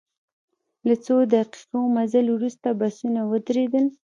له څو دقیقو مزل وروسته بسونه ودرېدل.